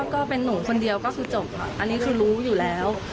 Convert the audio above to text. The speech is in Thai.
ก็เป็นหนูคนเดียวก็คือจบค่ะอันนี้คือรู้อยู่แล้ว